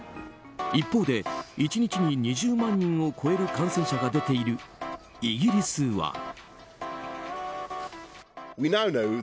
一方で１日に２０万人を超える感染者が出ているイギリスは。